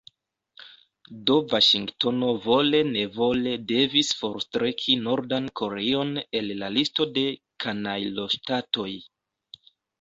Do Vaŝingtono vole-nevole devis forstreki Nordan Koreion el la listo de kanajloŝtatoj.